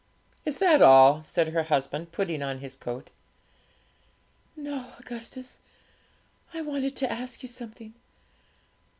'Is that all?' said her husband, putting on his coat. 'No, Augustus; I wanted to ask you something.